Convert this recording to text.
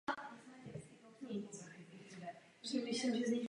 To vše jsou oblasti, na kterých je potřeba pracovat.